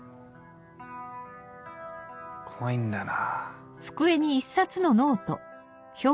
怖いんだな。